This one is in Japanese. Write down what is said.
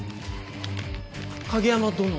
影山殿。